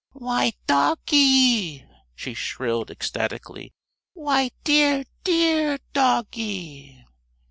"Why doggie!" she shrilled, ecstatically. "Why, dear, dear doggie!"